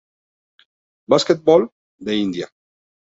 Basketball" de Indiana.